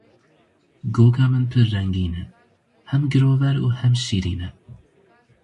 Goga min pir rengîn e, hem girover û hem şîrîn e.